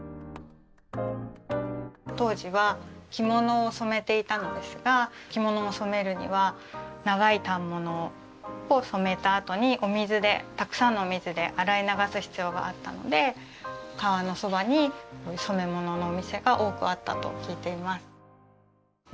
当時は着物を染めていたのですが着物を染めるには長い反物を染めたあとにお水でたくさんのお水で洗い流す必要があったので川のそばに染め物のお店が多くあったと聞いています。